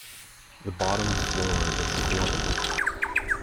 The bottom floor is flooded.